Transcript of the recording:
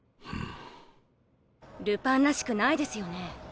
ルパンらしくないですよね。